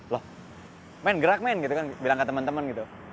loh main gerak main gitu kan bilang ke teman teman gitu